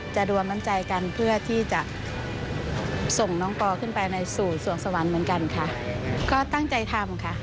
รวมน้ำใจกันเพื่อที่จะส่งน้องปอขึ้นไปในสู่สวงสวรรค์เหมือนกันค่ะก็ตั้งใจทำค่ะ